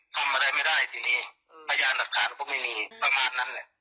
ทำอะไรไม่ได้ที่นี่ประหยานอาหารก็ไม่มีประมาณนั้นเลย